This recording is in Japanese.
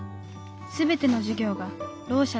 全ての授業がろう者